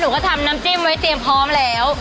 ก็ทำน้ำจิ้มไว้เตรียมพร้อมแล้ว